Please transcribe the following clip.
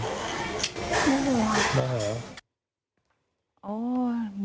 โมโหหรอ